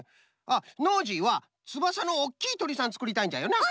あっノージーはつばさのおっきいとりさんつくりたいんじゃよな？